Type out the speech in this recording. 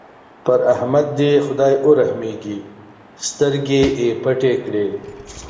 پر احمد دې خدای ورحمېږي؛ سترګې يې پټې کړې.